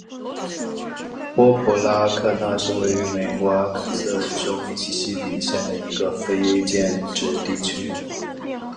波普拉科纳是位于美国阿肯色州密西西比县的一个非建制地区。